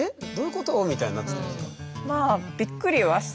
みたいになってたんですか？